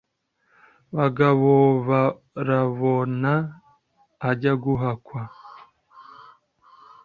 Bagabobarabona ajya guhakwa.